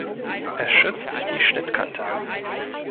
Er schützt die Schnittkante.